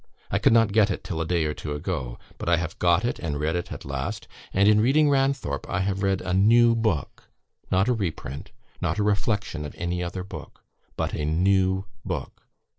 I could not get it till a day or two ago; but I have got it and read it at last; and in reading 'Ranthorpe,' I have read a new book, not a reprint not a reflection of any other book, but a NEW BOOK.